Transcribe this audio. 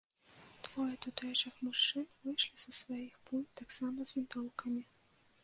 Двое тутэйшых мужчын выйшлі са сваіх пунь таксама з вінтоўкамі.